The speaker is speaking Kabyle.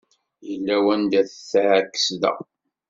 Yella wanda teɛkes da!